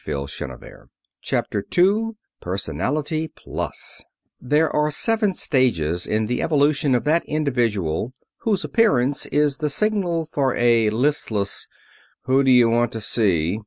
called Von Herman"] II PERSONALITY PLUS There are seven stages in the evolution of that individual whose appearance is the signal for a listless "Who do you want to see?"